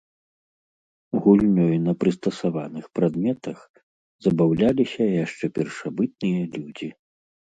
Гульнёй на прыстасаваных прадметах забаўляліся яшчэ першабытныя людзі.